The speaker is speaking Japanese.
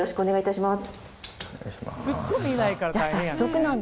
お願いします